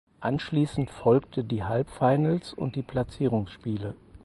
Anschließend folgte die Halbfinals und die Platzierungsspiele.